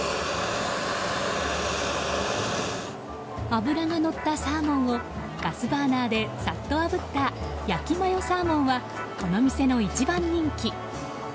脂がのったサーモンをガスバーナーでサッとあぶった焼マヨサーモンはこの店の一番人気。